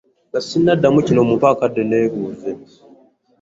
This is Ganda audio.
Nga ssinnaddamu kino mumpeemu akadde nneebuuze.